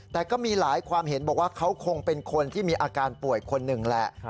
แต่ก็มีหลายความเห็นบอกว่าเขาคงเป็นคนที่มีอาการป่วยคนหนึ่งแหละ